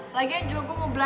laginya juga gue mau beres